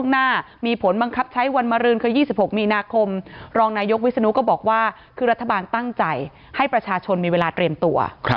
หน้ามีผลบังคับใช้วันมารืนคือ๒๖มีนาคมรองนายกวิศนุก็บอกว่าคือรัฐบาลตั้งใจให้ประชาชนมีเวลาเตรียมตัว